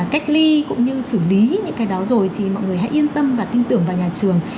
cách ly cũng như xử lý những cái đó rồi thì mọi người hãy yên tâm và tin tưởng vào nhà trường